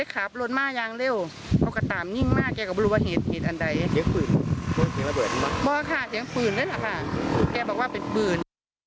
แกบอกว่าเป็นปืน